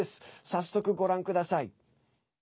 早速ご覧ください。